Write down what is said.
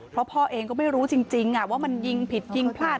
เพราะพ่อเองก็ไม่รู้จริงว่ามันยิงผิดยิงพลาด